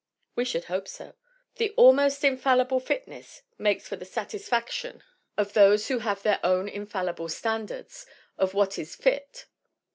We should hope so. The "almost in fallible fitness" makes for the satisfaction of those who have their own infallible standards of what is fit.